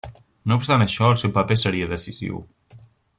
No obstant això, el seu paper seria decisiu.